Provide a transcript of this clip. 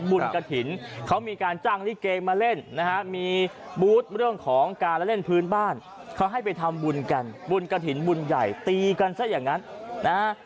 กระถิ่นเขามีการจ้างลิเกมาเล่นนะฮะมีบูธเรื่องของการเล่นพื้นบ้านเขาให้ไปทำบุญกันบุญกระถิ่นบุญใหญ่ตีกันซะอย่างนั้นนะฮะ